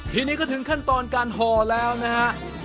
ทีนี้ก็ถึงขั้นตอนการห่อแล้วนะฮะ